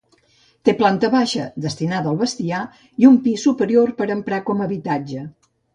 Té planta baixa, destinada al bestiar, i un pis superior per emprar com a habitatge.